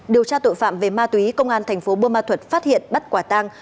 điều tra tội phạm về ma túy công an tp bô ma thuật phát hiện bắt quả tang